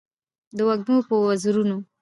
د وږمو په وزرونو